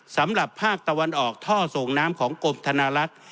สำหรับภาคตะวันออกท่อส่งน้ำของกรมธนาลักษณ์